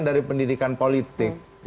dari pendidikan politik